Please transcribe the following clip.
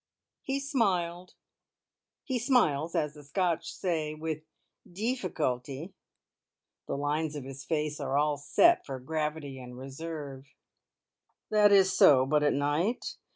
He smiled. He smiles, as the Scotch say, "with deefficulty". The lines of his face are all set for gravity and reserve. "That is so. But at night?